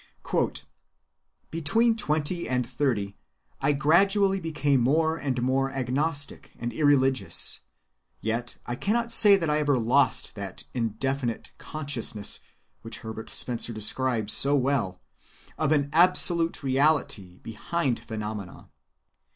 "Between twenty and thirty I gradually became more and more agnostic and irreligious, yet I cannot say that I ever lost that 'indefinite consciousness' which Herbert Spencer describes so well, of an Absolute Reality behind phenomena.